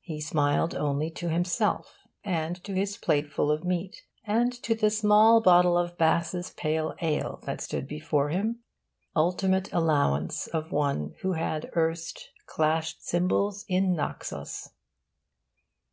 He smiled only to himself, and to his plateful of meat, and to the small bottle of Bass's pale ale that stood before him ultimate allowance of one who had erst clashed cymbals in Naxos.